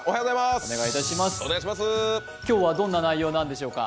今日はどんな内容なんでしょうか？